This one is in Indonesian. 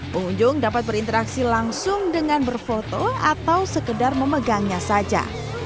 pengunjung dapat berinteraksi langsung dengan berfoto atau sekedar memegangnya saja